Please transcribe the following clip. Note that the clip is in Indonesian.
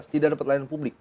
tidak dapat layanan publik